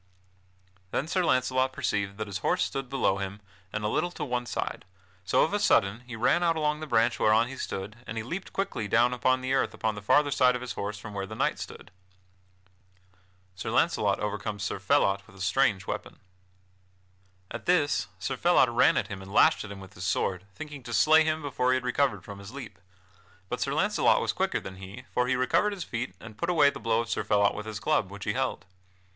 Then Sir Launcelot perceived that his horse stood below him and a little to one side, so of a sudden he ran out along the branch whereon he stood and he leaped quickly down to the earth upon the farther side of his horse from where the knight stood. [Sidenote: Sir Launcelot overcomes Sir Phelot with a strange weapon] At this Sir Phelot ran at him and lashed at him with his sword, thinking to slay him before he had recovered from his leap. But Sir Launcelot was quicker than he, for he recovered his feet and put away the blow of Sir Phelot with his club which he held.